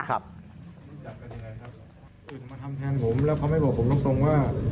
มาทำแทนผมแล้วเขาไม่บอกผมตรงว่า